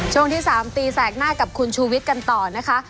ช่วงที่๓ตีแสกหน้ากับคุณชูวิทย์กันต่อนะคะ